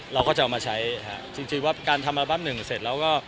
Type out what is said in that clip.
เราก็จะเอามาใช้ฮะจริงว่าการทำอัลบั้มหนึ่งเสร็จแล้วก็